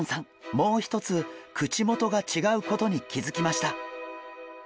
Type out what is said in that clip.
もう一つ口元が違うことに気付きました。